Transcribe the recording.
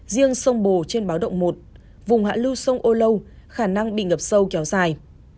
riêng sông bồ trên báo động một vùng hạ lưu sông âu lâu khả năng bị ngập sâu kéo dài